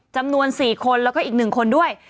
จำนวน๔คนแล้วก็อีก๑คนด้วย